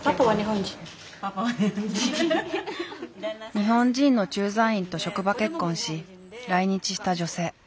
日本人の駐在員と職場結婚し来日した女性。